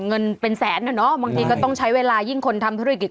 เงินเป็นแสนอ่ะเนอะบางทีก็ต้องใช้เวลายิ่งคนทำธุรกิจ